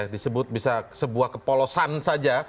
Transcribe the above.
disebut sebuah kepolosan saja